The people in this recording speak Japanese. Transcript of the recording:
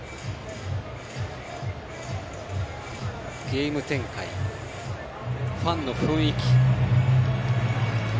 ゲーム展開、ファンの雰囲気。